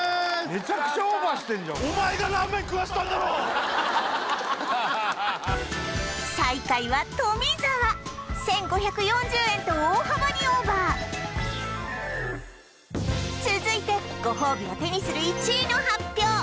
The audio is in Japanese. めちゃくちゃオーバーしてんじゃん最下位は富澤１５４０円と大幅にオーバー続いてご褒美を手にする１位の発表